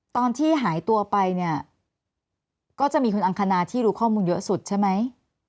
ตอนที่หายตัวไปเนี่ยก็จะมีคุณอังคณาที่รู้ข้อมูลเยอะสุดใช่ไหม